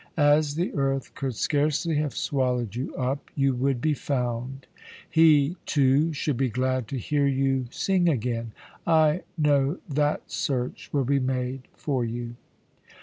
As the earth could scarcely have swallowed you up, you would be found; he, too, should be glad to hear you sing again. I know that search will be made for you.